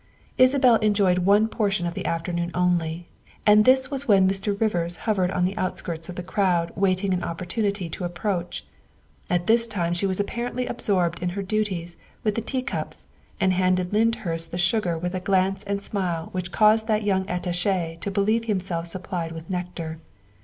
Isabel enjoyed one portion of the afternoon only, and this was when Mr. Rivers hovered on the outskirts of the crowd waiting an opportunity to approach. At this time she was apparently absorbed in her duties with the teacups and handed Lyndhurst the sugar with a glance and smile which caused that young Attache to believe himself supplied with nectar.